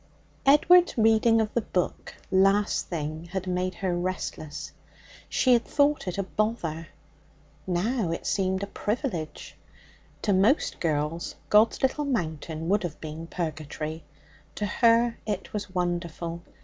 Edward's reading of the Book last thing had made her restless; she had thought it a bother. Now it seemed a privilege. To most girls, God's Little Mountain would have been purgatory. To her it was wonderful.